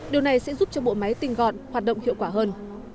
điều này sẽ giúp cho bộ máy tinh gọn hoạt động hiệu quả hơn